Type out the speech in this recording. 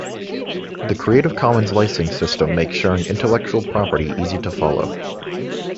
The creative commons licensing system makes sharing intellectual property easy to follow.